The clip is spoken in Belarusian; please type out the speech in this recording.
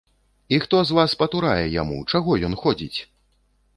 І хто з вас патурае яму, чаго ён ходзіць?